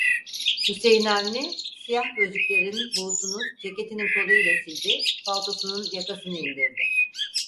Hüseyin Avni, siyah gözlüklerinin buğusunu ceketinin kolu ile sildi, paltosunun yakasını indirdi.